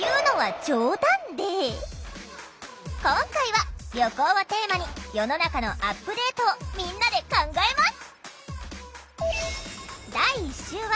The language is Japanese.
今回は「旅行」をテーマに世の中のアップデートをみんなで考えます！